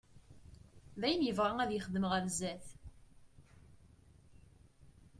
D ayen i yebɣa ad yexdem ɣer sdat.